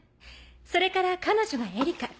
それから彼女はエリカ。